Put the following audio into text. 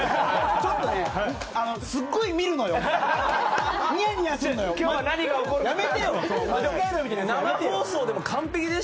ちょっとねすごい見るのよ。